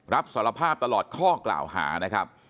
รับสารภาพตลอดข้อกล่าวหานะครับ